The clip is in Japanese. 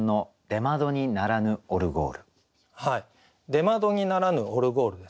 「出窓にならぬオルゴール」ですね。